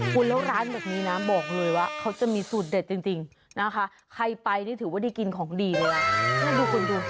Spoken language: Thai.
คุณแล้วร้านแบบนี้นะบอกเลยว่าเขาจะมีสูตรเด็ดจริงนะคะใครไปนี่ถือว่าได้กินของดีเลยล่ะ